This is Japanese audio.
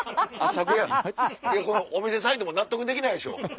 いやこのお店サイドも納得できないでしょ。